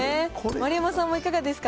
丸山さんも、いかがですか？